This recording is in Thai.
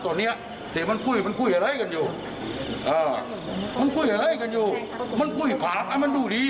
แท้เหรอครับครับ